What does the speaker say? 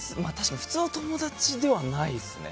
普通の友達ではないですね。